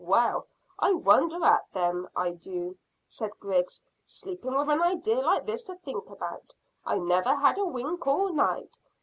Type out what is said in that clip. "Well, I wonder at them, I dew," said Griggs. "Sleeping, with an idea like this to think about. I never had a wink all night.